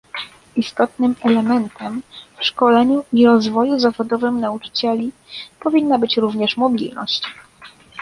Istotnym elementem w szkoleniu i rozwoju zawodowym nauczycieli powinna być również mobilność